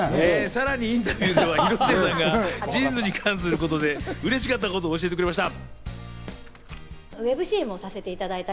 さらにインタビューでは、広末さんがジーンズに関することでうれしかったことを教えてくれました。